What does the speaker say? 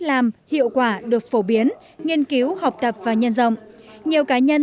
những cách làm hiệu quả được phổ biến nghiên cứu học tập và nhân dòng nhiều cá nhân